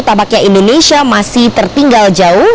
tampaknya indonesia masih tertinggal jauh